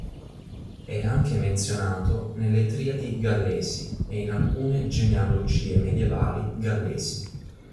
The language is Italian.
È anche menzionato nelle "Triadi gallesi" e in alcune genealogie medievali gallesi.